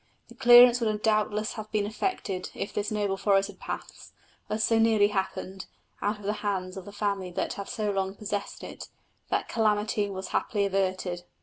The clearance would doubtless have been effected if this noble forest had passed, as so nearly happened, out of the hands of the family that have so long possessed it: that calamity was happily averted.